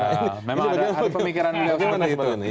ya pemikiran dia seperti itu